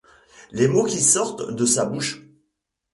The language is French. Les mots qui sortent de sa bouche.